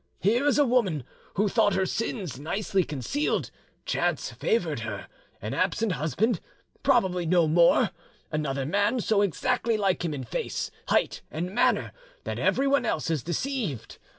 Here is a woman who thought her sins nicely concealed; chance favoured her: an absent husband, probably no more; another man so exactly like him in height, face, and manner that everyone else is deceived!